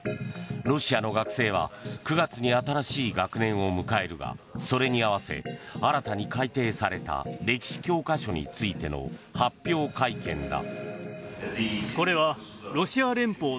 ロシアの学生は９月に新しい学年を迎えるがそれに合わせて新たに改訂された歴史教科書についての発表会見だ。